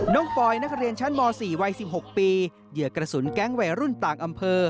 ปอยนักเรียนชั้นม๔วัย๑๖ปีเหยื่อกระสุนแก๊งวัยรุ่นต่างอำเภอ